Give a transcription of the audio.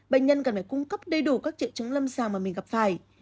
bệnh nhân cần phải cung cấp đầy đủ các triệu chứng lâm sàng mà mình gặp phải